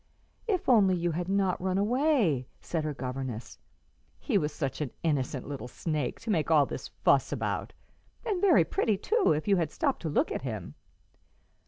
"If only you had not run away!" said her governess. "He was such an innocent little snake to make all this fuss about, and very pretty too, if you had stopped to look at him."